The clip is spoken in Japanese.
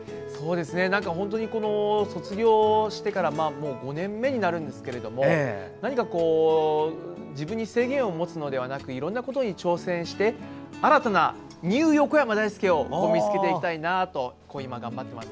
卒業してからもう５年目になるんですけれども何か、自分に制限を持つのではなくていろんなことに挑戦して新たなニュー横山だいすけを見つけていきたいなと今、頑張っています。